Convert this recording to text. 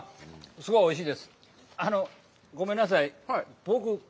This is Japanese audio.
すごいおいしい。